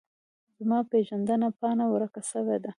زما پیژند پاڼه ورکه سویده